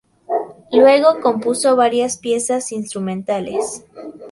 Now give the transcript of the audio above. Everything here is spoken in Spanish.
Luego compuso varias piezas instrumentales.